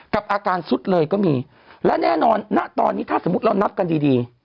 กับอาการสุดเลยก็มีและแน่นอนณตอนนี้ถ้าสมมุติเรานับกันดีดี